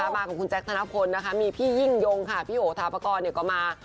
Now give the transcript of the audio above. มาของคุณแจ๊คธนพลนะคะมีพี่ยิ่งยงค่ะพี่โอทาปากรก็มา